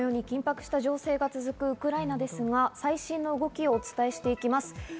緊迫した情勢が続くウクライナですが、最新の動きをお伝えしていきます。